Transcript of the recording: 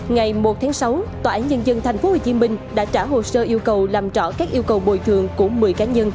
ngày một tháng sáu tòa án nhân dân tp hcm đã trả hồ sơ yêu cầu làm rõ các yêu cầu bồi thường của một mươi cá nhân